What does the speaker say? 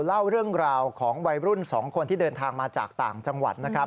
เล่าเรื่องราวของวัยรุ่น๒คนที่เดินทางมาจากต่างจังหวัดนะครับ